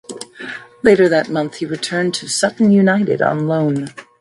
Later that month he returned to Sutton United on loan.